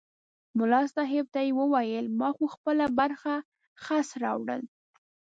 ملا صاحب ته یې وویل ما خو خپله برخه خس راوړل.